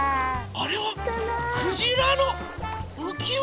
あれはクジラのうきわ！